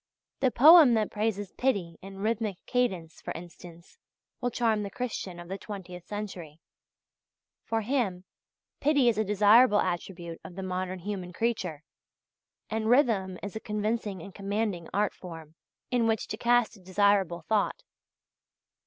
The poem that praises Pity in rhythmic cadence, for instance, will charm the Christian of the twentieth century; for him, Pity is a desirable attribute of the modern human creature, and rhythm is a convincing and commanding art form in which to cast a desirable thought.